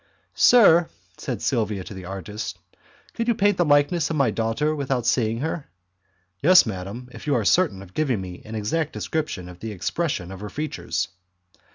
"Sir," said Silvia to the artist, "could you paint the likeness of my daughter without seeing her?" "Yes, madam, if you are certain of giving me an exact description of the expression of her features."